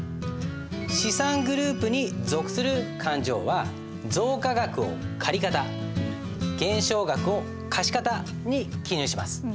資産グループに属する勘定は増加額を借方減少額を貸方に記入します。